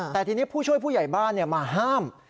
แต่ทีนี้ผู้ช่วยผู้ใหญ่บ้านมาห้าม